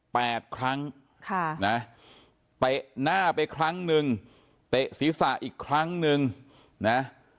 แปดครั้งค่ะนะเตะหน้าไปครั้งหนึ่งเตะศีรษะอีกครั้งหนึ่งนะ